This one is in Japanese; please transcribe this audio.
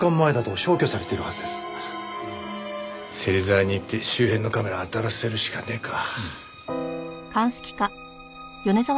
芹沢に言って周辺のカメラ当たらせるしかねえか。